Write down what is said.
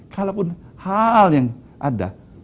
kalaupun hal yang ada